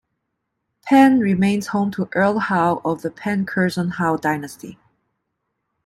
Penn remains home to Earl Howe of the Penn-Curzon-Howe dynasty.